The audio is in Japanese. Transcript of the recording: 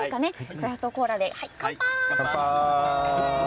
クラフトコーラで乾杯。